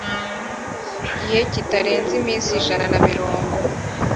gihe kitarenze iminsi ijana na mirongo